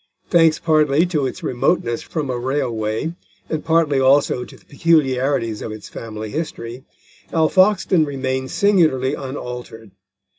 Thanks partly to its remoteness from a railway, and partly also to the peculiarities of its family history, Alfoxden remains singularly unaltered.